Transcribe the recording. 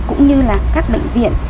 cũng như là các bệnh viện